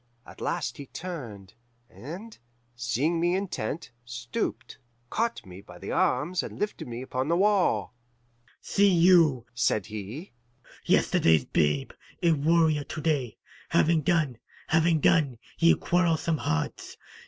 At last he turned, and, seeing me intent, stooped, caught me by the arms, and lifted me upon the wall. 'See you,' said he, 'yesterday's babe a warrior to day. Have done, have done, ye quarrelsome hearts.